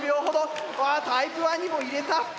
わあタイプ１にも入れた！